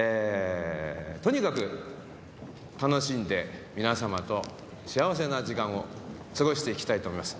とにかく楽しんで、皆様と幸せな時間を過ごしていきたいと思います。